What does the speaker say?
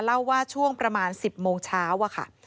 เล่าว่าช่วงประมาณ๑๐โมงเช้าอะค่ะ